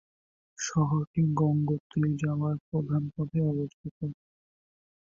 শহরটি গঙ্গোত্রী যাওয়ার প্রধান পথে অবস্থিত।